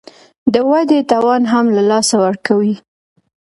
د ودې توان هم له لاسه ورکوي